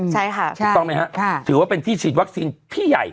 ใช่ค่ะถูกต้องไหมฮะถือว่าเป็นที่ฉีดวัคซีนที่ใหญ่